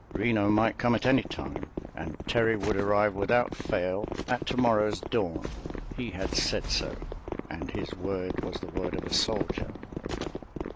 Reno might come at any time, and Terry would arrive without fail at tomorrow's dawn—he had said so, and his word was the word of a soldier.